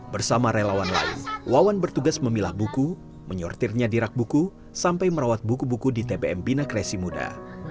bersama relawan lain wawan bertugas memilah buku menyortirnya di rak buku sampai merawat buku buku di tpm bina kresi muda